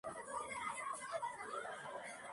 Tuvo un total de catorce hijos.